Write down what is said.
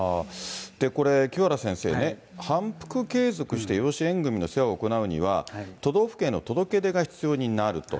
これ、清原先生ね、反復継続して養子縁組の世話を行うには、都道府県への届け出が必要になると。